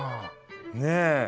ねえ。